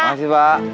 terima kasih pak